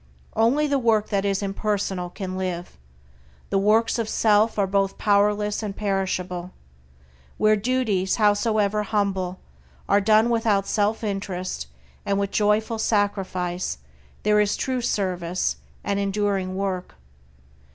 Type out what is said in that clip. Only the work that is impersonal can live; the works of self are both powerless and perishable. Where duties, howsoever humble, are done without self interest, and with joyful sacrifice, there is true service and enduring work.